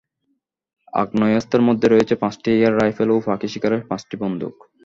আগ্নেয়াস্ত্রের মধ্যে রয়েছে পাঁচটি এয়ার রাইফেল ও পাখি শিকারের পাঁচটি বন্দুক।